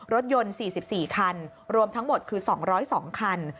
รถยนต์๔๔คันรวมทั้งหมดคือ๒๐๒คัน